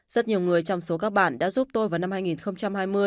rất nhiều người trong số các bản đã giúp tôi vào năm hai nghìn hai mươi